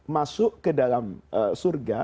masuk ke dalam surga